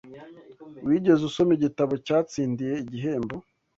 Wigeze usoma igitabo cyatsindiye igihembo?